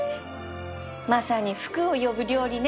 まさに福を呼ぶ料理ね